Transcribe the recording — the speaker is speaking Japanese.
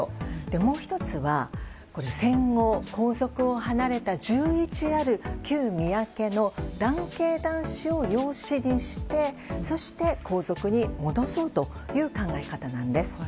もう１つは、戦後に皇族を離れた１１ある旧宮家の男系・男子を養子にしてそして、皇族に戻そうという考え方なんです。